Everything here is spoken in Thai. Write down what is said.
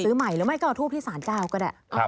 ใหม่หรือไม่ก็เอาทูบที่สารเจ้าก็ได้